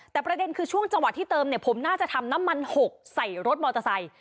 แต่ประเด็นคือช่วงจังหวะที่เติมเนี่ยผมน่าจะทำน้ำมันหกใส่รถมอเตอร์ไซค์